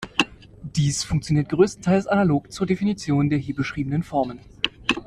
Dies funktioniert größtenteils analog zur Definition der hier beschriebenen Formen.